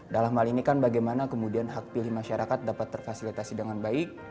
dalam hal ini kan bagaimana kemudian hak pilih masyarakat dapat terfasilitasi dengan baik